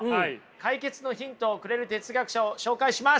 解決のヒントをくれる哲学者を紹介します。